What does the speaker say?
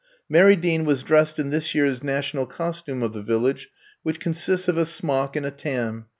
Mary Dean was dressed in this year's national costume of the Village, which consists of a smock and a tam.